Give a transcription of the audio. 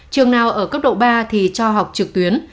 trường nào ở cấp độ ba thì cho học trực tuyến